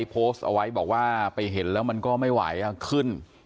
โพสต์เอาไว้บอกว่าไปเห็นแล้วมันก็ไม่ไหวขึ้น